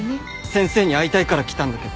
先生に会いたいから来たんだけど。